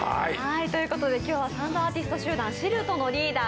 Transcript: ということで今日はサンドアーティスト集団のＳＩＬＴのリーダー